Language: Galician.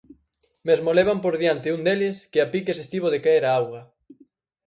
Mesmo levan por diante un deles que a piques estivo de caer á auga.